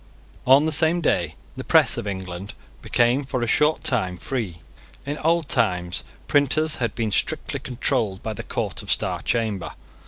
On the same day the press of England became for a short time free. In old times printers had been strictly controlled by the Court of Star Chamber.